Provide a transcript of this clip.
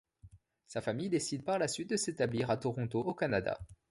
Sa famille décide par la suite de s'établir à Toronto au Canada.